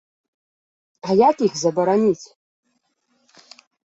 А як іх забараніць?